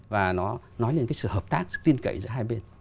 và nó nói lên cái sự hợp tác tin cậy giữa hai bên